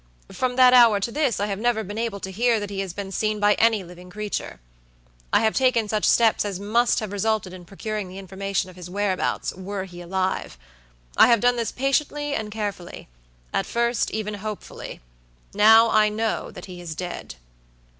From that hour to this I have never been able to hear that he has been seen by any living creature. I have taken such steps as must have resulted in procuring the information of his whereabouts, were he alive. I have done this patiently and carefullyat first, even hopefully. Now I know that he is dead."